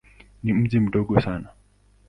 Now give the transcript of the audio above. Ni mji mdogo sana.